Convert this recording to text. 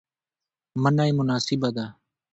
منی مناسبه ده